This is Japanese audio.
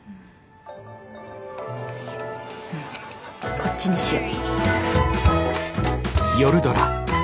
こっちにしよう！